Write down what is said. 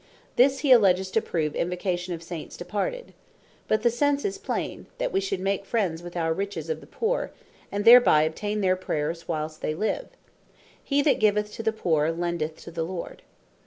This he alledges to prove Invocation of Saints departed. But the sense is plain, That we should make friends with our Riches, of the Poore, and thereby obtain their Prayers whilest they live. "He that giveth to the Poore, lendeth to the Lord.